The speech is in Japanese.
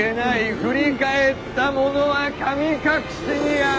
振り返った者は『神隠し』にあう」。